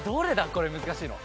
これ難しいの。